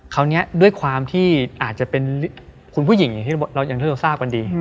คราวนี้ด้วยความที่อาจจะเป็นคุณผู้หญิงที่เรายังเลือกทราบก่อนดี